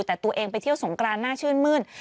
แต่ตัวเองไปเที่ยวสงกรานน่าชื่นมื้น